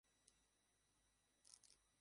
যেন বক্তৃতার বিষয় সব ফুরিয়ে যেতে লাগল।